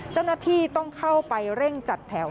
เจ้าหน้าที่ต้องเข้าไปเร่งจัดแถว